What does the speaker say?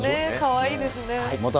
かわいいですね。